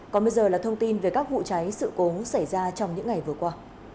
còn bây giờ là thông tin về các vụ cháy sự cố xảy ra trong những ngày vừa qua